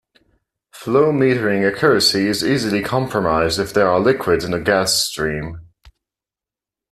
Flow metering accuracy is easily compromised if there are liquids in the gas stream.